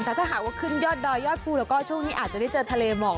แต่ถ้าหากว่าขึ้นยอดดอยยอดภูแล้วก็ช่วงนี้อาจจะได้เจอทะเลหมอก